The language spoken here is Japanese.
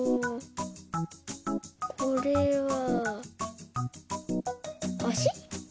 これはあし？